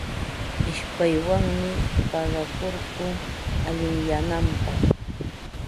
Ishpaywanmi paqakurkun allinyananpaq.